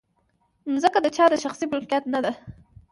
مځکه د چا د شخصي ملکیت نه ده.